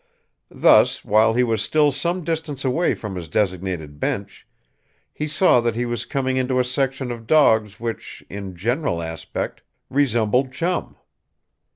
Thus, while he was still some distance away from his designated bench, he saw that he was coming into a section of dogs which, in general aspect, resembled Chum.